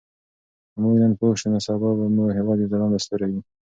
که موږ نن پوه شو نو سبا به مو هېواد یو ځلانده ستوری وي.